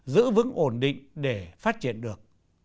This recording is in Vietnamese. giữ vững ổn định để phát triển được